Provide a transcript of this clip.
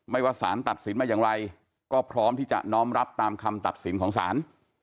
ว่าสารตัดสินมาอย่างไรก็พร้อมที่จะน้อมรับตามคำตัดสินของศาล